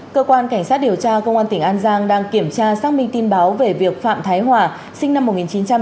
cơ quan cảnh sát điều tra công an tỉnh an giang đang kiểm tra xác minh tin báo về việc phạm thái hòa sinh năm một nghìn chín trăm tám mươi